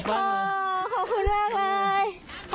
ขอบคุณมากเลย